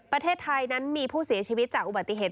ประเทศไทยนั้นมีผู้เสียชีวิตจากอุบัติเหตุ